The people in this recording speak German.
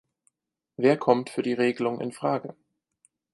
Wer kommt für die Regelung in Frage?